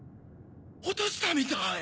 落としたみたい。